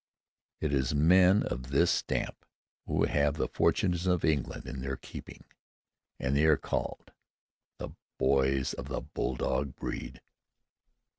It is men of this stamp who have the fortunes of England in their keeping. And they are called, "The Boys of the Bulldog Breed."